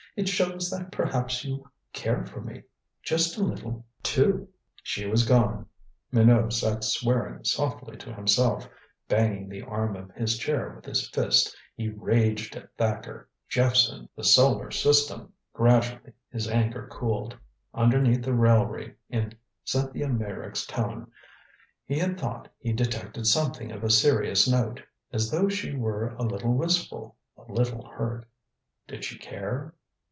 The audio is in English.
"It shows that perhaps you care for me just a little too." She was gone! Minot sat swearing softly to himself, banging the arm of his chair with his fist. He raged at Thacker, Jephson, the solar system. Gradually his anger cooled. Underneath the raillery in Cynthia Meyrick's tone he had thought he detected something of a serious note as though she were a little wistful a little hurt. Did she care?